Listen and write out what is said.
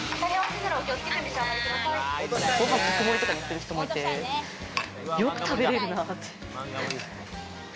ご飯特盛りとかにする人もいて、よく食べれるなって。